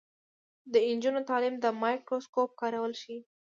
د نجونو تعلیم د مایکروسکوپ کارول ښيي.